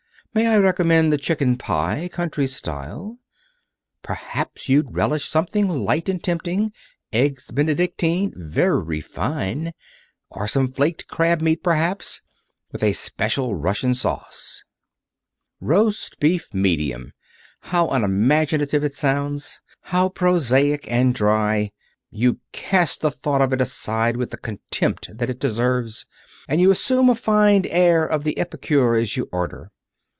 "May I recommend the chicken pie, country style? Perhaps you'd relish something light and tempting. Eggs Benedictine. Very fine. Or some flaked crab meat, perhaps. With a special Russian sauce." Roast Beef, Medium! How unimaginative it sounds. How prosaic, and dry! You cast the thought of it aside with the contempt that it deserves, and you assume a fine air of the epicure as you order.